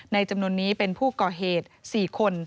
จำนวนนี้เป็นผู้ก่อเหตุ๔คน